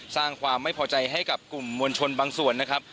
สร้างความไม่พอใจให้กับกลุ่มมวลชนบางส่วนนะครับ